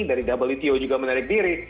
dari wto juga menarik diri